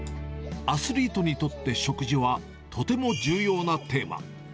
アスリートにとって食事は、とても重要なテーマ。